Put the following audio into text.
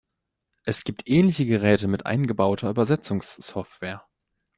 Es gibt ähnliche Geräte mit eingebauter Übersetzungs-Software.